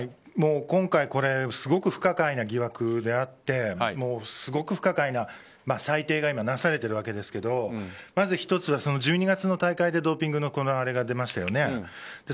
今回、すごく不可解な疑惑であってすごく不可解な裁定が今、なされているわけですけどまず１つは１２月の大会でドーピングのあれが出ましたよね。